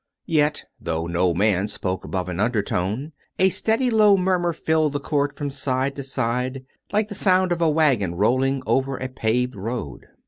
Yet, though no man spoke above an undertone, a steady low murmur filled the court from side to side, like the sound of a wagon rolling over a paved road.